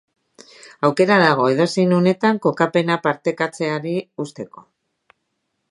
Aukera dago edozein unetan kokapena partekatzeari uzteko.